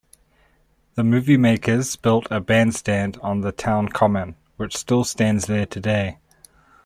The moviemakers built a bandstand on the town common, which still stands there today.